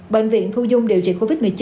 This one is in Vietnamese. bệnh viện thu dung điều trị covid một mươi chín